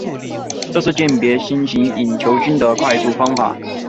这是鉴别新型隐球菌的快速方法。